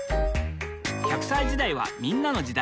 磽隠娃歳時代はみんなの時代。